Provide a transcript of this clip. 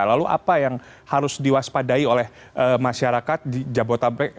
lalu apa yang harus diwaspadai oleh masyarakat di jabodetabek